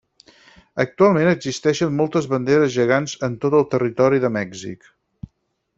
Actualment existeixen moltes banderes gegants en tot el territori de Mèxic.